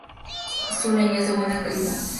Su leña es de buena calidad.